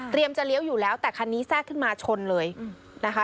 จะเลี้ยวอยู่แล้วแต่คันนี้แทรกขึ้นมาชนเลยนะคะ